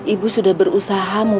ibu sudah berusaha mau pinjam saja